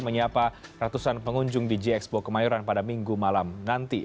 menyapa ratusan pengunjung di gxpo kemayoran pada minggu malam nanti